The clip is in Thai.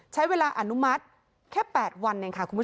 ใช้เวลาอนุมัติแค่๘วัน